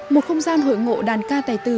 một không gian hội ngộ đàn ca tài tử